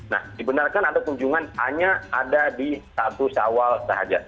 nah dibenarkan ada kunjungan hanya ada di status awal sahaja